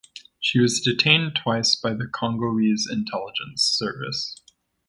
She was detained twice by the Congolese Intelligence Service.